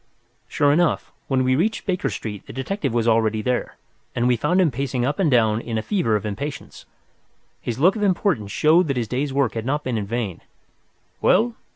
Sure enough, when we reached Baker Street the detective was already there, and we found him pacing up and down in a fever of impatience. His look of importance showed that his day's work had not been in vain. "Well?"